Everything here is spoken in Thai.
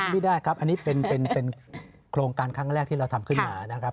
ไม่ได้ครับอันนี้เป็นโครงการครั้งแรกที่เราทำขึ้นมานะครับ